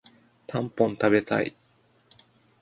たんぽん食べたい